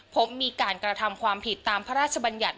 พบมีการกระทำความผิดตามพระราชบัญญัติ